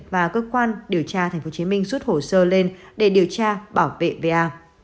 và cơ quan điều tra tp hcm rút hồ sơ lên để điều tra bảo vệ va